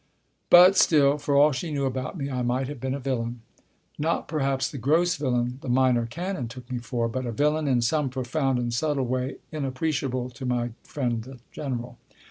But still, for all she knew about me, I might have been a villain. Not perhaps the gross villain the Minor Canon took me for, but a villain in some profound and subtle way inappreciable to my friend the General.